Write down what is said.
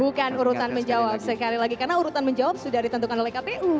bukan urutan menjawab sekali lagi karena urutan menjawab sudah ditentukan oleh kpu